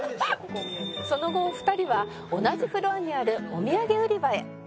「その後お二人は同じフロアにあるお土産売り場へ」